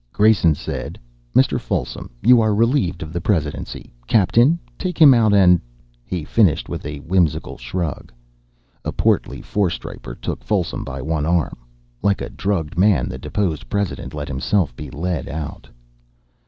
Grayson said: "Mr. Folsom, you are relieved of the presidency. Captain, take him out and " He finished with a whimsical shrug. A portly four striper took Folsom by one arm. Like a drugged man the deposed president let himself be led out.